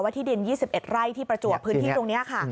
ที่ดิน๒๑ไร่ที่ประจวบพื้นที่ตรงนี้ค่ะ